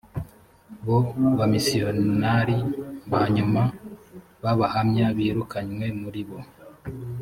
bo bamisiyonari ba nyuma b abahamya birukanywe muri bo